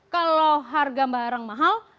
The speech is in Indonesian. kalau harga barang mahal